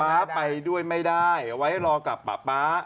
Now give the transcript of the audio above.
ไปด้วยไม่ได้ไว้รอกับป๊าป๊า